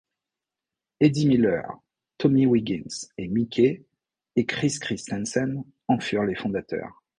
Eddie Miller, Tommy Wiggins et Mickey et Chris Christensen en furent les fondateurs.